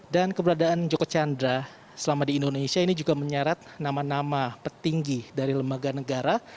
dan keberadaan joko chandra selama di indonesia ini juga menyarat nama nama petinggi dari lembaga negara